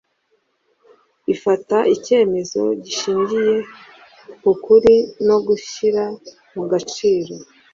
ifata icyemezo gishingiye k'ukuri no gushyira mu gaciro